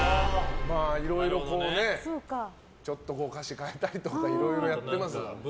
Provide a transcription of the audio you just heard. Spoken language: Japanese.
いろいろちょっと歌詞を変えたりとかいろいろやってますから。